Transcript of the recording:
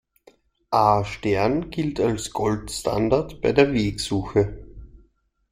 A-Stern gilt als Goldstandard bei der Wegsuche.